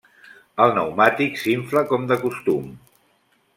El pneumàtic s'infla com de costum.